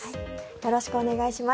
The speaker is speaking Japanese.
よろしくお願いします。